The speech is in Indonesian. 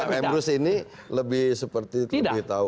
pak emrus ini lebih seperti itu lebih tahu